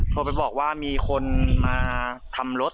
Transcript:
โทรไปบอกว่ามีคนมาทำรถ